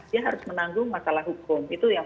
dia harus menanggung masalah hukum itu yang